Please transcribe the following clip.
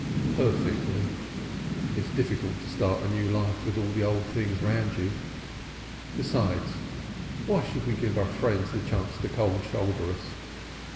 "Perfectly. It is difficult to live a new life with all the old things round you. Besides, why should we give our friends the chance to cold shoulder us?